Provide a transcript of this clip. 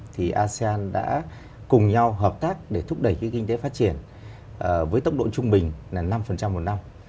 thì asean đã cùng nhau hợp tác để thúc đẩy kinh tế phát triển với tốc độ trung bình là năm một năm